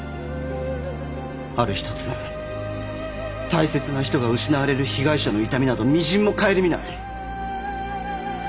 ある日突然大切な人が失われる被害者の痛みなどみじんも顧みない。